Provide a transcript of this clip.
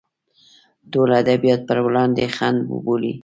ټول ادبیات پر وړاندې خنډ بولي.